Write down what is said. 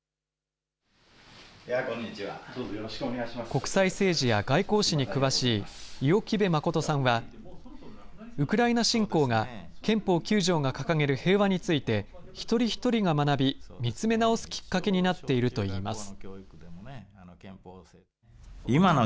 国際政治や外交史に詳しい、五百旗頭真さんは、ウクライナ侵攻が憲法９条が掲げる平和について、一人一人が学び、見つめ直すきっかけになっているといいます。